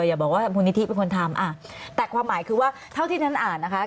อย่าบอกว่ามูลนิธิเป็นคนทำแต่ความหมายคือว่าเท่าที่ฉันอ่านนะคะ